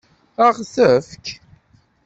Ad ɣ-t-tefk?